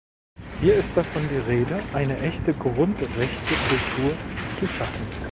Hier ist davon die Rede, eine echte Grundrechtekultur zu schaffen.